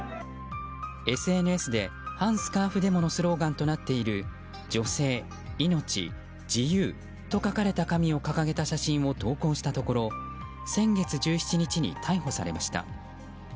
ＳＮＳで反スカーフデモのスローガンとなっている「女性、命、自由」と書かれた紙を掲げた写真を投稿したところ先月１７日に逮捕されました。